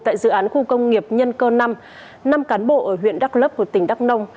tại dự án khu công nghiệp nhân cơ năm năm cán bộ ở huyện đắk lấp của tỉnh đắk nông